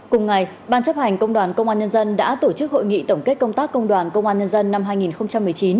cùng ngày ban chấp hành công đoàn công an nhân dân đã tổ chức hội nghị tổng kết công tác công đoàn công an nhân dân năm hai nghìn một mươi chín